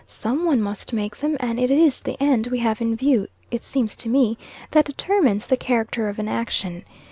Some one must make them, and it is the end we have in view, it seems to me, that determines the character of an action.